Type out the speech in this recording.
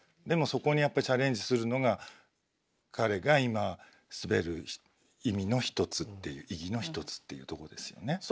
でもそこにやっぱチャレンジするのが彼が今滑る意味の一つっていう意義の一つっていうとこですよね。